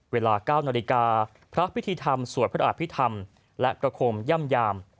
เวลา๙นาฬิกาพระพิธีธรรมสวดพระอภิษฐรรมและประคมย่ำยาม